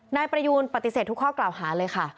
นายประยูนปฏิเสธทุกข้อกล่าวหาเลยค่ะ